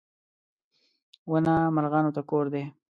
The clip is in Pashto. • ونه مرغانو ته کور دی.